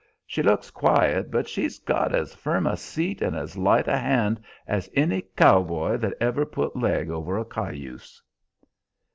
She looks quiet, but she's got as firm a seat and as light a hand as any cow boy that ever put leg over a cayuse."